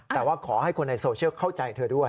แต่ว่าขอให้คนในโซเชียลเข้าใจเธอด้วย